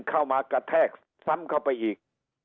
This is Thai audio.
เข้ามากระแทกซ้ำเข้าไปอีก